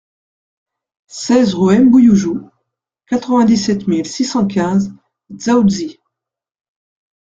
seize rue M'Bouyoujou, quatre-vingt-dix-sept mille six cent quinze Dzaoudzi